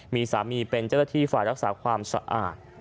มีสามีเป็นเจ้าหน้าที่ฝ่ายรักษาความสะอาด